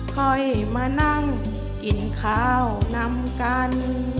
ค่อยมานั่งกินข้าวนำกัน